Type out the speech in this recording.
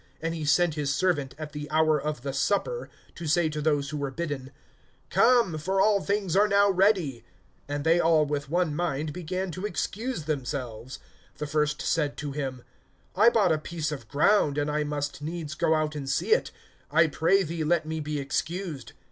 (17)And he sent his servant, at the hour of the supper, to say to those who were bidden: Come, for all things are now ready. (18)And they all, with one mind, began[14:18] to excuse themselves. The first said to him: I bought a piece of ground, and I must needs go out and see it; I pray thee let me be excused.